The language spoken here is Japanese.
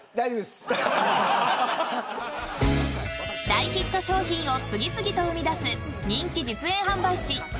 ［大ヒット商品を次々と生み出す人気］